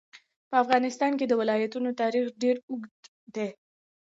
په افغانستان کې د ولایتونو تاریخ ډېر اوږد دی.